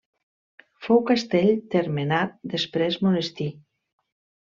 Fou castell termenat, després monestir.